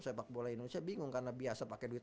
sepak bola indonesia bingung karena biasa pakai duit